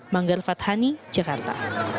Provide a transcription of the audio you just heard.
manggar fathani jakarta